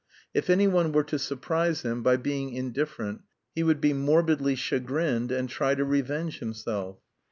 If anyone were to surprise him by being indifferent, he would be morbidly chagrined, and try to revenge himself.